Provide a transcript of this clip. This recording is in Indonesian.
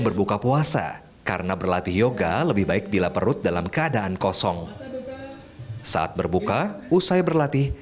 berbuka puasa karena berlatih yoga lebih baik bila perut dalam keadaan kosong saat berbuka usai berlatih